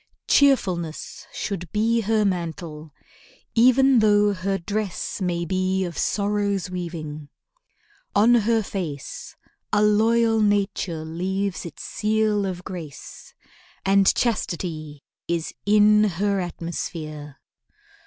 Cheerfulness Should be her mantle, even though her dress May be of Sorrow's weaving. On her face A loyal nature leaves its seal of grace, And chastity is in her atmosphere.